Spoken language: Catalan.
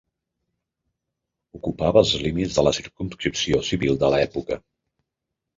Ocupava els límits de la circumscripció civil de l'època.